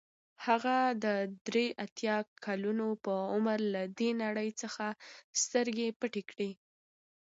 هغه د درې اتیا کلونو په عمر له دې نړۍ څخه سترګې پټې کړې.